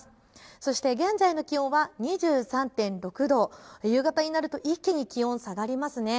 そして現在の気温は２３．６度、夕方になると一気に気温、下がりますね。